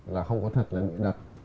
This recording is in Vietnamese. là không có thật là bị đặt